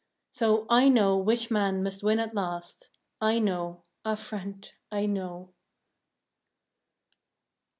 So, I know which man must win at last, I know! Ah, Friend, I know!